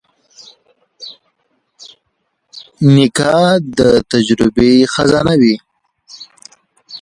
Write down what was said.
نیکه د تجربې خزانه وي.